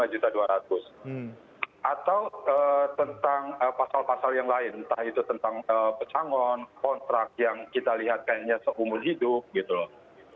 atau tentang pasal pasal yang lain entah itu tentang pesangon kontrak yang kita lihat kayaknya seumur hidup gitu loh